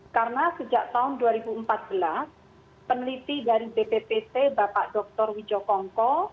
karena sejak tahun dua ribu empat belas peneliti dari bppc bapak dr widjo kongko